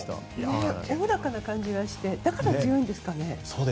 おおらかな感じがしてだから強いんですかね。